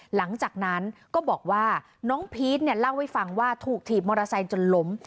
หลังจากนั้นก็บอกว่าน้องพีชเนี่ยเล่าให้ฟังว่าถูกถีบมอเตอร์ไซค์จนล้ม